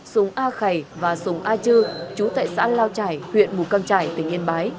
sùng a khầy và sùng a chư chú tại xã lao trải huyện mù căng trải tỉnh yên bái